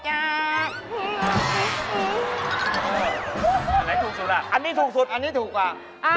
อันนี้ถูกสุด